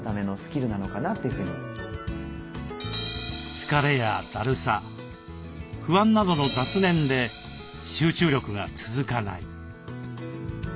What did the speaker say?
疲れやだるさ不安などの雑念で集中力が続かない。